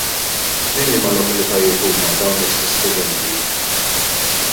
Minn liema lokalitajiet huma dawn l-istess studenti?